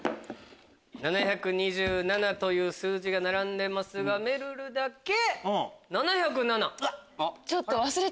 ７２７という数字が並んでますがめるるだけ７０７？